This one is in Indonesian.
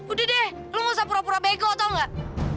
udah deh lo gak usah pura pura bego atau enggak